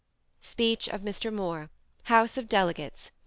(Speech of Mr. Moore, House of Delegates, Va.